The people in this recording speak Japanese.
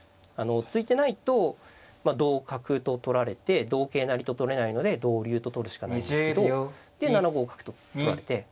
突いてないと同角と取られて同桂成と取れないので同竜と取るしかないんですけどで７五角と取られて。